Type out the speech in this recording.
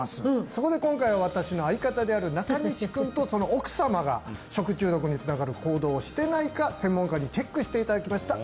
そこで今回は私の相方である中西君とその奥様が食中毒につながる行動をしてないか専門家にチェックしていただきました